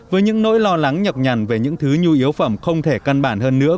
với những nỗi lo lắng nhọc nhằn về những thứ nhu yếu phẩm không thể căn bản hơn nữa